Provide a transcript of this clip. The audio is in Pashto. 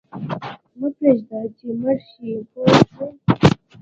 مه پرېږده چې مړ شې پوه شوې!.